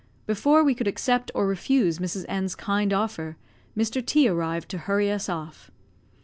Before we could accept or refuse Mrs. N 's kind offer, Mr. T arrived, to hurry us off.